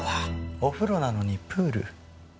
お風呂なのにプール。